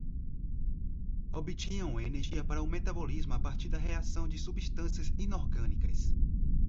Obtinham energia para o metabolismo a partir da reação de substâncias inorgânicas